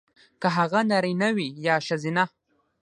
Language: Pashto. کـه هغـه نـاريـنه وي يـا ښـځيـنه .